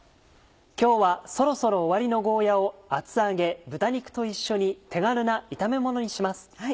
今日はそろそろ終わりのゴーヤを厚揚げ豚肉と一緒に手軽な炒めものにします。